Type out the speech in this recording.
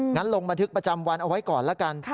ลงบันทึกประจำวันเอาไว้ก่อนละกัน